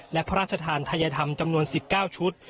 และพระราชทานทัยธรรมจำนวน๑๙ชุด